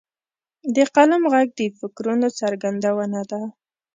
د قلم ږغ د فکرونو څرګندونه ده.